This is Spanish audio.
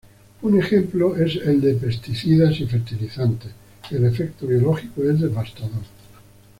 Un ejemplo es el de pesticidas y fertilizantes; el efecto biológico es devastador.